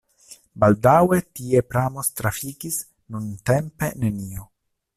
Baldaŭe tie pramo trafikis, nuntempe nenio.